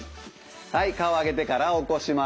はい顔を上げてから起こします。